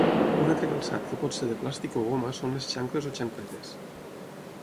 Un altre calçat que pot ser de plàstic o goma són les xancles o xancletes.